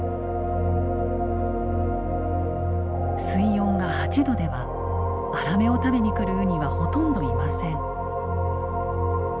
水温が８℃ではアラメを食べに来るウニはほとんどいません。